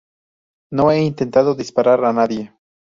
No he intentado disparar a nadie.